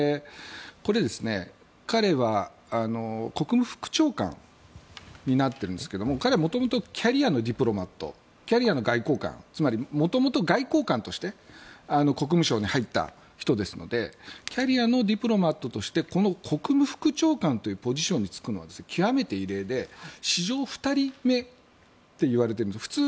これ、彼は国務副長官になってるんですけども彼は元々キャリアのディプロマットキャリアの外交官つまり、元々外交官として国務省に入った人ですのでキャリアのディプロマットとしてこの国務副長官というポジションに就くのは極めて異例で史上２人目といわれてるんです。